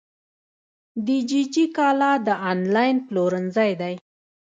دیجیجی کالا د انلاین پلورنځی دی.